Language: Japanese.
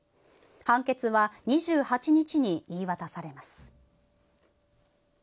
判決は２８日に言い渡されます。